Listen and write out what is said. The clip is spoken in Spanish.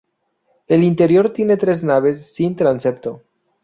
El interior tiene tres naves, sin transepto.